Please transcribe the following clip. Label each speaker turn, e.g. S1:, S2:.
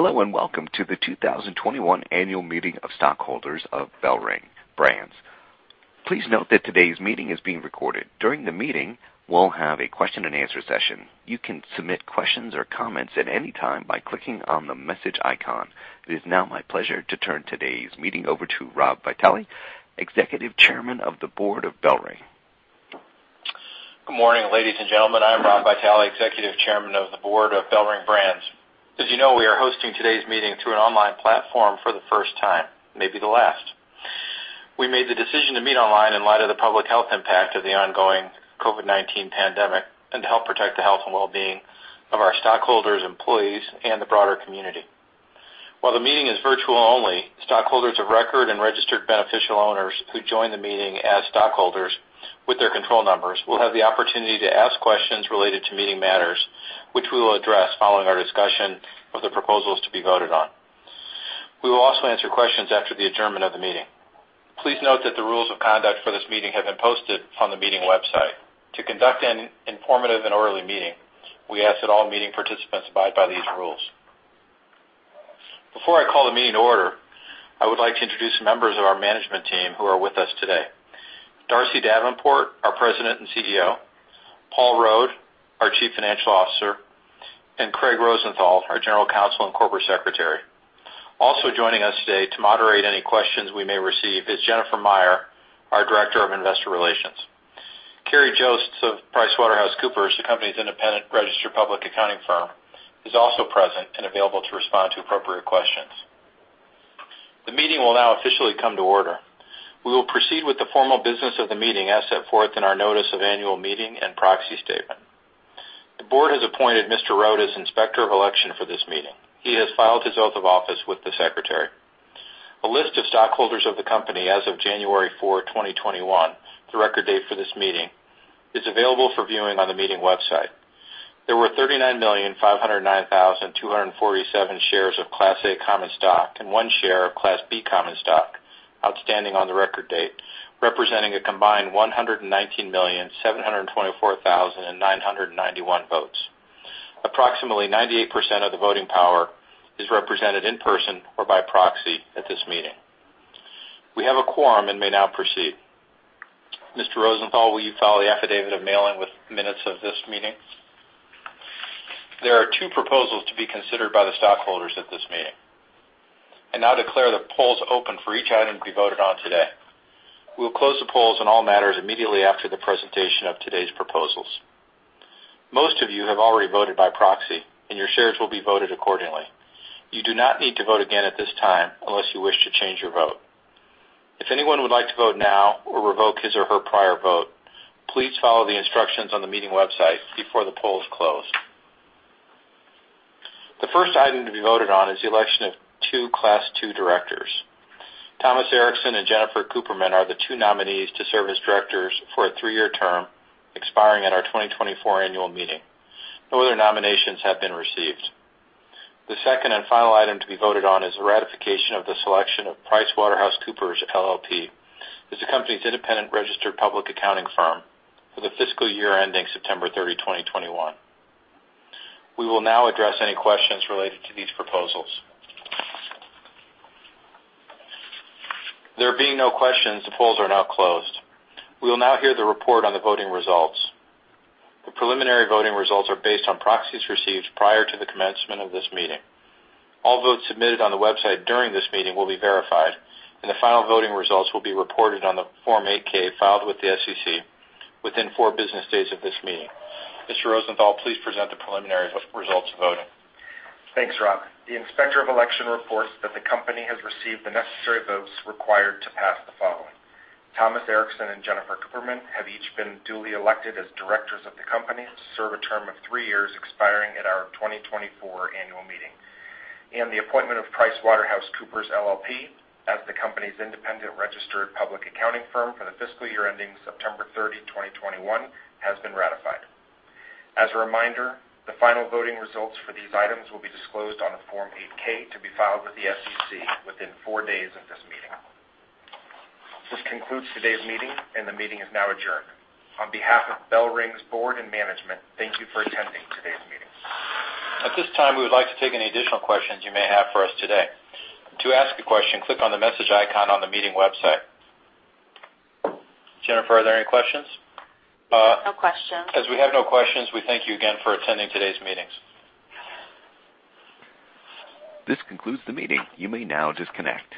S1: Hello, welcome to the 2021 Annual Meeting of Stockholders of BellRing Brands. Please note that today's meeting is being recorded. During the meeting, we'll have a question and answer session. You can submit questions or comments at any time by clicking on the message icon. It is now my pleasure to turn today's meeting over to Rob Vitale, Executive Chairman of the Board of BellRing.
S2: Good morning, ladies and gentlemen. I'm Rob Vitale, Executive Chairman of the Board of BellRing Brands. As you know, we are hosting today's meeting through an online platform for the first time, maybe the last. We made the decision to meet online in light of the public health impact of the ongoing COVID-19 pandemic and to help protect the health and wellbeing of our stockholders, employees, and the broader community. While the meeting is virtual only, stockholders of record and registered beneficial owners who join the meeting as stockholders with their control numbers will have the opportunity to ask questions related to meeting matters, which we will address following our discussion of the proposals to be voted on. We will also answer questions after the adjournment of the meeting. Please note that the rules of conduct for this meeting have been posted on the meeting website. To conduct an informative and orderly meeting, we ask that all meeting participants abide by these rules. Before I call the meeting to order, I would like to introduce members of our management team who are with us today. Darcy Davenport, our President and CEO, Paul Rode, our Chief Financial Officer, and Craig Rosenthal, our General Counsel and Corporate Secretary. Also joining us today to moderate any questions we may receive is Jennifer Meyer, our Director of Investor Relations. Kerry Jostes of PricewaterhouseCoopers, the company's independent registered public accounting firm, is also present and available to respond to appropriate questions. The meeting will now officially come to order. We will proceed with the formal business of the meeting as set forth in our notice of annual meeting and proxy statement. The board has appointed Mr. Rode as Inspector of Election for this meeting. He has filed his oath of office with the secretary. A list of stockholders of the company as of January 4, 2021, the record date for this meeting, is available for viewing on the meeting website. There were 39,509,247 shares of Class A common stock and one share of Class B common stock outstanding on the record date, representing a combined 119,724,991 votes. Approximately 98% of the voting power is represented in person or by proxy at this meeting. We have a quorum and may now proceed. Mr. Rosenthal, will you file the affidavit of mailing with minutes of this meeting? There are two proposals to be considered by the stockholders at this meeting. I now declare the polls open for each item to be voted on today. We will close the polls on all matters immediately after the presentation of today's proposals. Most of you have already voted by proxy, and your shares will be voted accordingly. You do not need to vote again at this time unless you wish to change your vote. If anyone would like to vote now or revoke his or her prior vote, please follow the instructions on the meeting website before the polls close. The first item to be voted on is the election of two Class II directors. Thomas Erickson and Jennifer Kuperman are the two nominees to serve as directors for a three-year term expiring at our 2024 annual meeting. No other nominations have been received. The second and final item to be voted on is the ratification of the selection of PricewaterhouseCoopers LLP as the company's independent registered public accounting firm for the fiscal year ending September 30, 2021. We will now address any questions related to these proposals. There being no questions, the polls are now closed. We will now hear the report on the voting results. The preliminary voting results are based on proxies received prior to the commencement of this meeting. All votes submitted on the website during this meeting will be verified, and the final voting results will be reported on the Form 8-K filed with the SEC within four business days of this meeting. Mr. Rosenthal, please present the preliminary results of voting.
S3: Thanks, Rob. The Inspector of Election reports that the company has received the necessary votes required to pass the following. Thomas Erickson and Jennifer Kuperman have each been duly elected as directors of the company to serve a term of three years expiring at our 2024 Annual Meeting. The appointment of PricewaterhouseCoopers LLP as the company's independent registered public accounting firm for the fiscal year ending September 30, 2021, has been ratified. As a reminder, the final voting results for these items will be disclosed on a Form 8-K to be filed with the SEC within four days of this meeting. This concludes today's meeting, and the meeting is now adjourned. On behalf of BellRing's board and management, thank you for attending today's meeting.
S2: At this time, we would like to take any additional questions you may have for us today. To ask a question, click on the message icon on the meeting website. Jennifer, are there any questions?
S4: No questions.
S2: As we have no questions, we thank you again for attending today's meetings.
S1: This concludes the meeting. You may now disconnect.